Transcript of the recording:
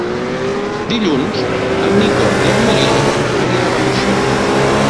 Dilluns en Nico i en Maria aniran a Moixent.